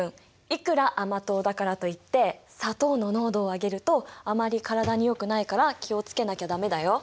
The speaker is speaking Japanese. いくら甘党だからといって砂糖の濃度を上げるとあまり体によくないから気を付けなきゃ駄目だよ。